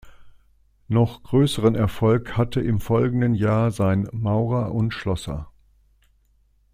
Noch größeren Erfolg hatte im folgenden Jahr sein "Maurer und Schlosser".